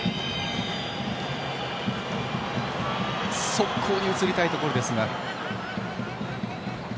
速攻に移りたいところですが。